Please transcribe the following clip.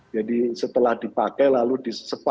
jadi setelah dipakai lalu disepah di buah